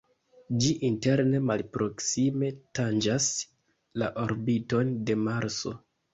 Ĝi interne malproksime tanĝas la orbiton de Marso.